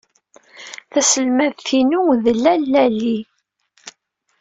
Taselmadt-inu d lalla Li.